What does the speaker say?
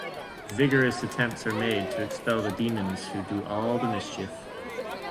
Vigorous attempts are made to expel the demons who do all the mischief.